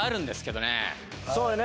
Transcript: そうよね。